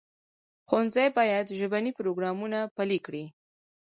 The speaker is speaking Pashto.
ښوونځي باید ژبني پروګرامونه پلي کړي.